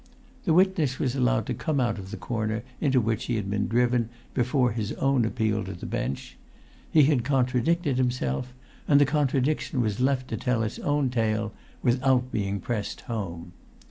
The witness was allowed to come out of the corner into which he had been driven before his appeal to the bench; he had contradicted himself, and the contradiction was left to tell its own tale without being pressed home.